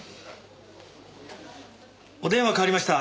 お電話代わりました。